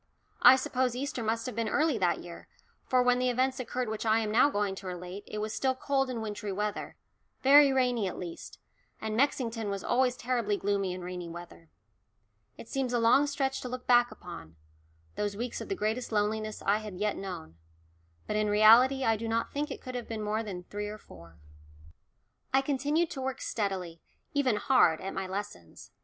I suppose Easter must have been early that year, for when the events occurred which I am now going to relate, it was still cold and wintry weather very rainy at least, and Mexington was always terribly gloomy in rainy weather. It seems a long stretch to look back upon those weeks of the greatest loneliness I had yet known but in reality I do not think it could have been more than three or four. I continued to work steadily even hard at my lessons.